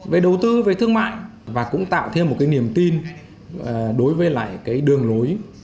về đầu tư về thương mại và cũng tạo thêm một cái niềm tin đối với lại cái đường lối